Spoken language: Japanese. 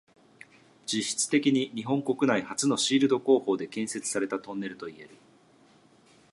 実質的に日本国内初のシールド工法で建設されたトンネルといえる。